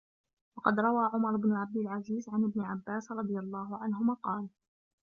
وَقَدْ رَوَى عُمَرُ بْنُ عَبْدِ الْعَزِيزِ عَنْ ابْنِ عَبَّاسٍ رَضِيَ اللَّهُ عَنْهُمَا قَالَ